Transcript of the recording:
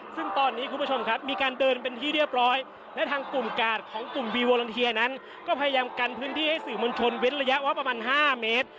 ซึ่งตอนนี้คุณผู้ชมครับมีการเดินเป็นที่เรียบร้อยและทางกลุ่มกาดของกลุ่มวีวอลันเทียนั้นก็พยายามกันพื้นที่ให้สื่อมวลชนเว้นระยะว่าประมาณ๕เมตร